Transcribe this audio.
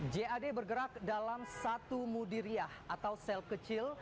jad bergerak dalam satu mudiriyah atau sel kecil